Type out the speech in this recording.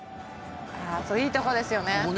ああいいとこですよね。